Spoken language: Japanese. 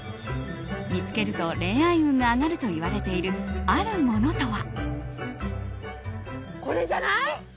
見つけると恋愛運が上がるといわれているあるものとは？